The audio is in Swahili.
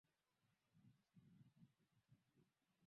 Sarah alikuwa mchezaji wa kisasa